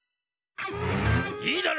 いいだろう！